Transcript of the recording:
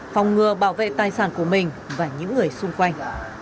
vấn đề của mình và những người xung quanh